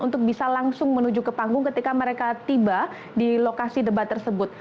untuk bisa langsung menuju ke panggung ketika mereka tiba di lokasi debat tersebut